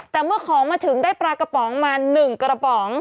แต่เมื่อของมาถึงได้ปลากระป๋องมา๑กระป๋อง